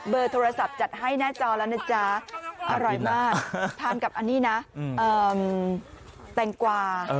เบอร์โทรศัพท์จัดให้หน้าจอแล้วนะจ๊ะอร่อยมากทำกับอันนี้น่ะอืมแตงกวาเออ